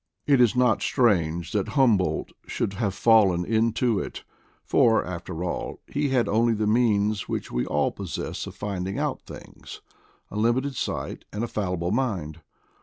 It is not strange that Humboldt should have fallen into it, for, after all, Jie had only the means which we all possess of finding out things — a limited sight and a fallible mind.